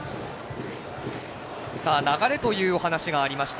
流れというお話がありました。